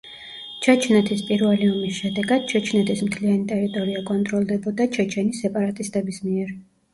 ჩეჩნეთის პირველი ომის შედეგად, ჩეჩნეთის მთლიანი ტერიტორია კონტროლდებოდა ჩეჩენი სეპარატისტების მიერ.